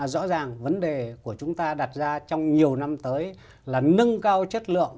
rõ ràng vấn đề của chúng ta đặt ra trong nhiều năm tới là nâng cao chất lượng